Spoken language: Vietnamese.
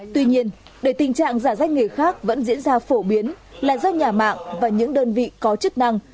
tuy nhiên để tình trạng giả danh người khác vẫn diễn ra phổ biến là do nhà mạng và những đơn vị có chức năng